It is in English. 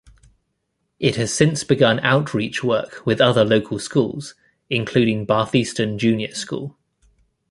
It has since begun outreach work with other local schools, including Batheaston Junior School.